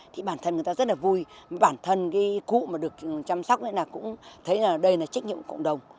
thì bản thân người ta rất là vui bản thân cái cụ mà được chăm sóc là cũng thấy là đây là trách nhiệm cộng đồng